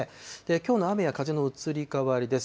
きょうの雨や風の移り変わりです。